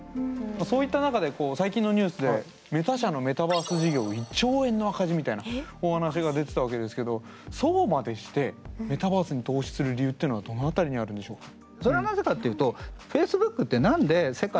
そういった中で最近のニュースでメタ社のメタバース事業１兆円の赤字みたいなお話が出てたわけですけどそうまでしてメタバースに投資する理由っていうのはどの辺りにあるんでしょうか？